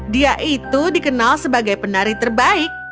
dia itu dikenal sebagai penari terbaik